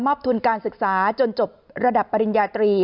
ทุนการศึกษาจนจบระดับปริญญาตรี